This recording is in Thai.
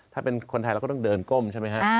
ถ้าเป็นคนไทยเราก็ต้องเดินก้มใช่ไหมฮะ